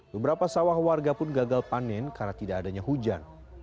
beberapa sawah warga pun gagal panen karena tidak adanya hujan